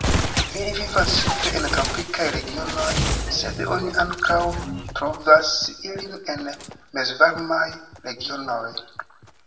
Ili vivas ĉefe en tropikaj regionoj, sed oni ankaŭ trovas ilin en mezvarmaj regionoj.